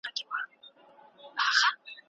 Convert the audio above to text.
هغه څوک چي ته یې غواړې په خلوت او په کتاب کي